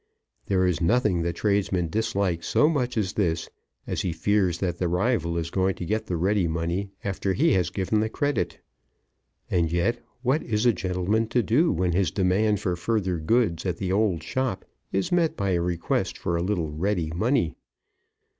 There is nothing the tradesman dislikes so much as this, as he fears that the rival is going to get the ready money after he has given the credit. And yet what is a gentleman to do when his demand for further goods at the old shop is met by a request for a little ready money?